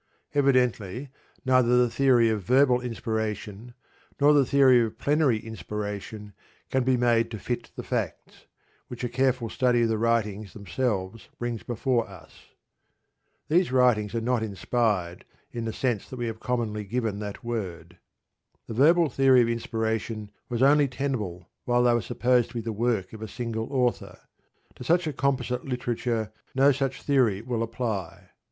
Evidently neither the theory of verbal inspiration, nor the theory of plenary inspiration, can be made to fit the facts, which a careful study of the writings themselves brings before us. These writings are not inspired in the sense which we have commonly given that word. The verbal theory of inspiration was only tenable while they were supposed to be the work of a single author. To such a composite literature no such theory will apply.